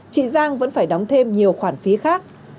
chị giang vẫn phải đóng thêm nhiều khoản phí khác